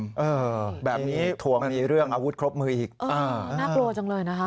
เออแบบนี้ทวงมีเรื่องอาวุธครบมืออีกอ่าน่ากลัวจังเลยนะคะ